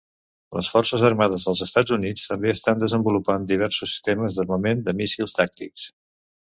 Les Forces Armades dels Estats Units també estan desenvolupant diversos sistemes d'armament de míssils tàctics.